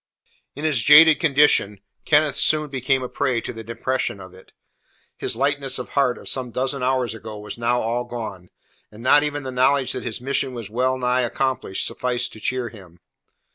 In his jaded condition Kenneth soon became a prey to the depression of it. His lightness of heart of some dozen hours ago was now all gone, and not even the knowledge that his mission was well nigh accomplished sufficed to cheer him.